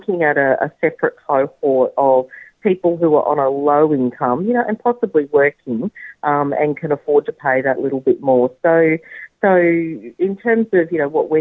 ketika kita berbicara tentang rumah yang berharga kita melihat sebuah kohortan yang berbeda dari orang orang yang berharga rendah dan mungkin bekerja dan dapat memperoleh membayar lebih banyak